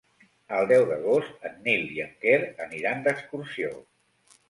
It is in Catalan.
El deu d'agost en Nil i en Quer aniran d'excursió.